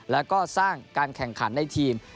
แล้วก็สร้างการแข่งขันในทีม